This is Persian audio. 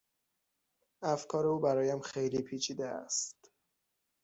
افکار او برایم خیلی پیچیده است.